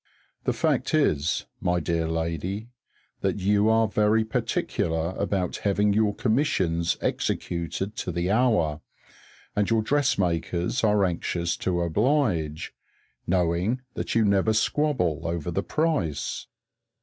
The fact is, my dear lady, that you are very particular about having your commissions executed to the hour, and your dressmakers are anxious to oblige, knowing that you never squabble over the price.